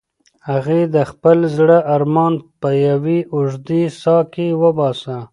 هغې د خپل زړه ارمان په یوې اوږدې ساه کې وباسه.